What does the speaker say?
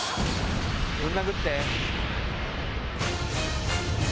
ぶん殴って。